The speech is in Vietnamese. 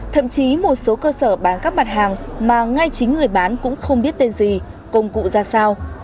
thậm chí một số cơ sở bán các mặt hàng mà ngay chính người bán cũng không biết tên gì công cụ ra sao